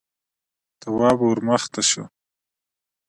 تواب ور مخته شو: